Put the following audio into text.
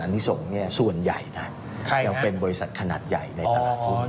อันนี้ส่งส่วนใหญ่นะยังเป็นบริษัทขนาดใหญ่ในตลาดทุน